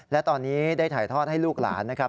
และตอนนี้ได้ถ่ายทอดให้ลูกหลานนะครับ